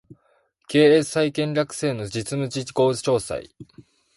経営再建戦略の実施事項詳細